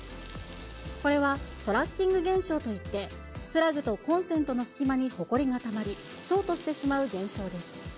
これはトラッキング現象といって、プラグとコンセントの隙間にほこりがたまり、ショートしてしまう現象です。